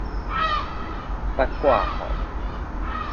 八卦紅